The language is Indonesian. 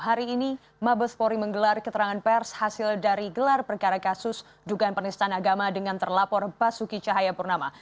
hari ini mabes polri menggelar keterangan pers hasil dari gelar perkara kasus dukan penistan agama dengan terlapor basuki cahaya purnama